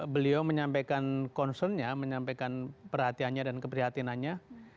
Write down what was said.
beliau menyampaikan concern nya menyampaikan perhatiannya dan keprihatinannya